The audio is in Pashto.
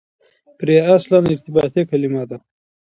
پرې اصلاً ارتباطي کلیمه ده.